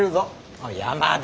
おい山田。